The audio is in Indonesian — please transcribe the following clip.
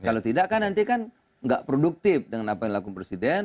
kalau tidak kan nanti kan nggak produktif dengan apa yang dilakukan presiden